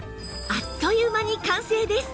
あっという間に完成です